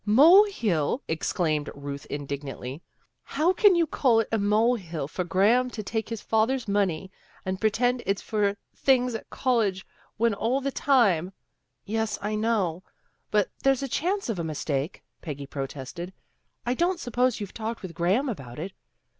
"Mole hill!" exclaimed Ruth indignantly. " How you can call it a mole hill for Graham to take his father's money and pretend it's for things at college when all the time "0, yes, I know. But there's a chance of a mistake," Peggy protested, " I don't suppose you've talked with Graham about it?